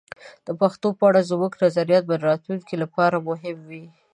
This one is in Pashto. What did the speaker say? د پښتو په اړه زموږ نظریات به د راتلونکي لپاره مهم وي.